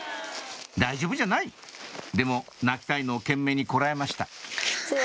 「大丈夫じゃない」でも泣きたいのを懸命にこらえました